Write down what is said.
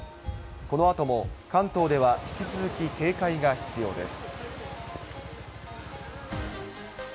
このあとも関東では引き続き警戒が必要です。